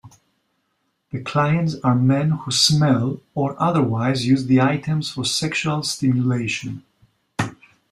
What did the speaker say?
The clients are men who smell or otherwise use the items for sexual stimulation.